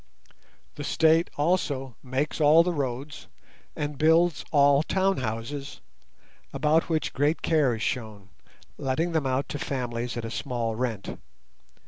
The State also makes all the roads and builds all town houses, about which great care is shown, letting them out to families at a small rent.